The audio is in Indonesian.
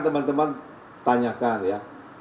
teman teman tanyakan ya